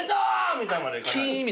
みたいまでいかない。